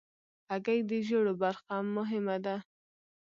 هګۍ د ژیړو برخه مهمه ده.